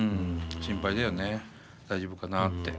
心配だよね大丈夫かなって。